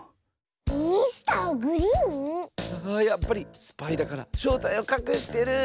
やっぱりスパイだからしょうたいをかくしてる！